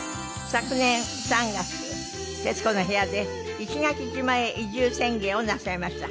昨年３月『徹子の部屋』で石垣島へ移住宣言をなさいました。